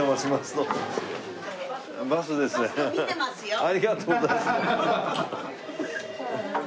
ありがとうございます。